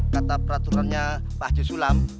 kata peraturannya pak haji sulam